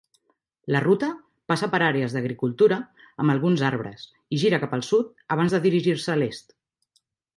La ruta passa per àrees d'agricultura amb alguns arbres i gira cap al sud abans de dirigir-se a l'est.